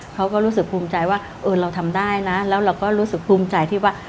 เขาก็รู้สึกภูมิใจว่าเออเราทำได้นะแล้วเราก็รู้สึกภูมิใจที่ว่า